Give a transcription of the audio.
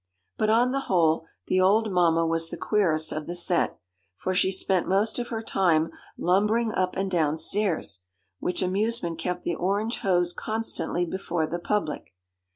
But, on the whole, the old mamma was the queerest of the set; for she spent most of her time lumbering up and down stairs, which amusement kept the orange hose constantly before the public.